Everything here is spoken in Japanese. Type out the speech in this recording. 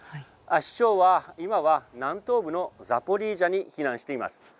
市長は今は南東部のザポリージャに避難しています。